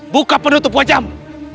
buka penutup wajahmu